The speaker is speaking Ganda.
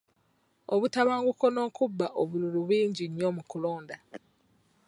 Obutabanguko n'okuba obululu bingi nnyo mu kulonda.